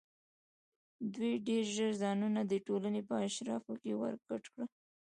دوی ډېر ژر ځانونه د ټولنې په اشرافو کې ورګډ کړل.